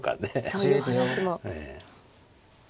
そういう話も。